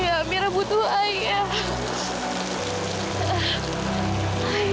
amirah butuh air